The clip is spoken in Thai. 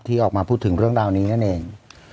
ออกมาพูดถึงเรื่องราวนี้นั่นเอง